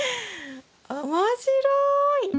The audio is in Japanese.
面白い！